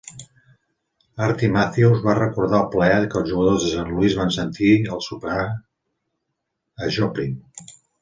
Artie Matthews va recordar el "plaer" que els jugadors de Saint Louis van sentir en superar a Joplin.